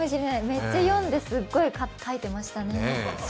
めっちゃ読んで、すっごい書いてましたね。